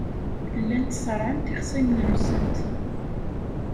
Llant ṣerrɛent ixṣimen-nsent.